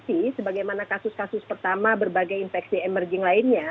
jadi sebagaimana kasus kasus pertama berbagai infeksi emerging lainnya